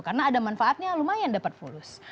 karena ada manfaatnya lumayan dapat bonus